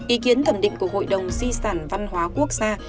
ý kiến thẩm định của hội đồng di sản văn hóa quốc gia